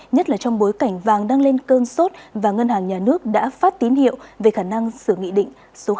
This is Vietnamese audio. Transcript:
nhất là trong bối cảnh vàng đang lên cơn sốt và ngân hàng nhà nước đã phát tín hiệu về khả năng xử nghị định